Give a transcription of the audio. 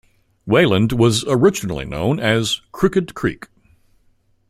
Wayland was originally known as Crooked Creek.